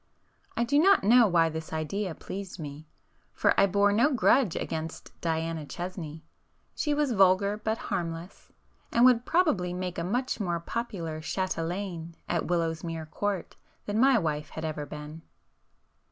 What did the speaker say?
I do not know why this idea pleased me, for I bore no grudge against Diana Chesney,—she was vulgar but harmless, and would probably make a much more popular châtelaine at Willowsmere Court than my wife had ever been.